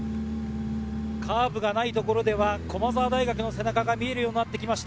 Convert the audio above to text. カーブがないところでは駒澤大学の背中が見えるようになってきました。